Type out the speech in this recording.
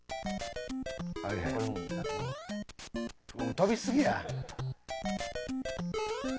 跳びすぎや。